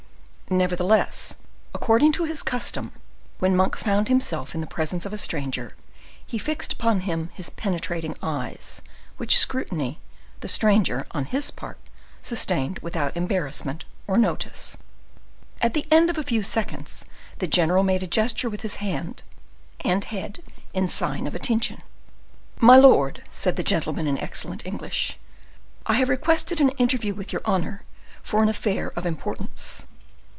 Nevertheless, according to his custom, when Monk found himself in the presence of a stranger, he fixed upon him his penetrating eyes, which scrutiny, the stranger, on his part, sustained without embarrassment or notice. At the end of a few seconds, the general made a gesture with his hand and head in sign of attention. "My lord," said the gentleman, in excellent English, "I have requested an interview with your honor, for an affair of importance."